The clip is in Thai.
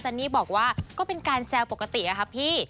ซานนี่บอกว่าก็เป็นการแซวปกติแล้วพี่